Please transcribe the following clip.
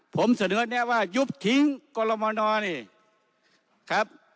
ผมเสนอแนะว่ายุบทิ้งกรมนนี่ครับ